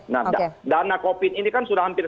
nah dana covid ini kan sudah hampir